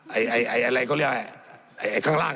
อะไรเขาเรียกอะไรไหนอันข้างล่าง